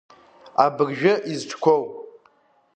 Абыржәы изҿқәоу.